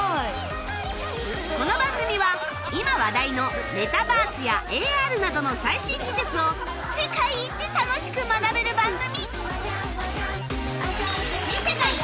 この番組は今話題のメタバースや ＡＲ などの最新技術を世界一楽しく学べる番組！